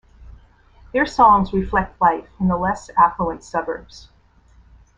Their songs reflect life in the less affluent suburbs.